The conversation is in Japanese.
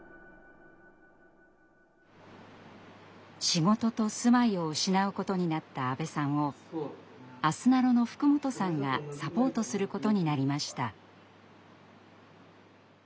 仕事と住まいを失うことになった阿部さんをあすなろの福本さんがサポートすることになりました。